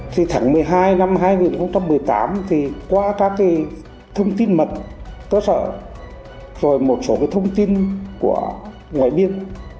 thì tháng một mươi hai năm hai nghìn một mươi tám thì qua các cái thông tin mật cơ sở rồi một số cái thông tin của ngoại biên